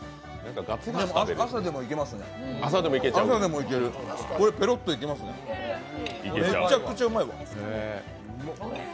朝でもいけますね、これ、ペロッといけますね、めちゃくちゃうまいわ。